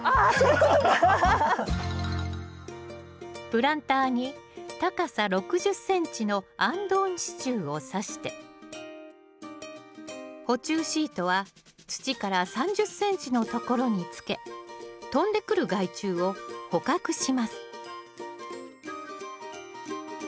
プランターに高さ６０ｃｍのあんどん支柱をさして捕虫シートは土から３０ｃｍのところにつけ飛んでくる害虫を捕獲します